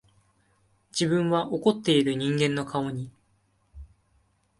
自分は怒っている人間の顔に、